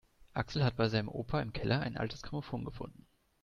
Axel hat bei seinem Opa im Keller ein altes Grammophon gefunden.